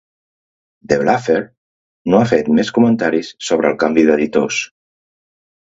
The Baffler no ha fet més comentaris sobre el canvi d'editors.